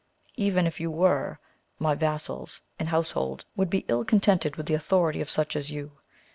Even if you were, my vassals and household would be ill contented with the authority of such as you